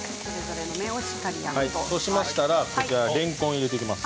そうしましたら、こちられんこんを入れていきます。